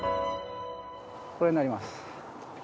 これになります。